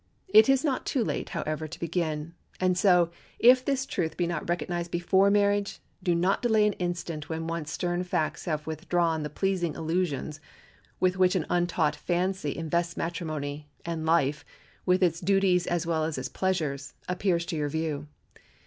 It is not too late, however, to begin; and so, if this truth be not recognized before marriage, do not delay an instant when once stern facts have withdrawn the pleasing illusions with which an untaught fancy invested matrimony, and life, with its duties as well as its pleasures, appears to your view.